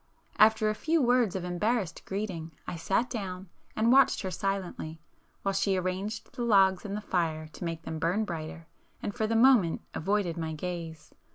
After a few words of embarrassed greeting I sat down and watched her silently, while she arranged the logs in the fire to make them burn brighter, and for the moment avoided my gaze.